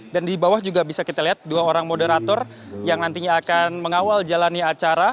dan di bawah juga bisa kita lihat dua orang moderator yang nantinya akan mengawal jalannya acara